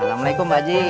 assalamualaikum mbak ji